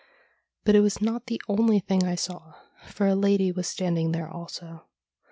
But it was not the only thing I saw, for a lady was standing there also.